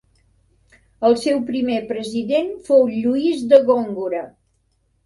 El seu primer president fou Lluís de Góngora.